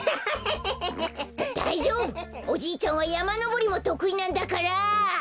おじいちゃんはやまのぼりもとくいなんだから！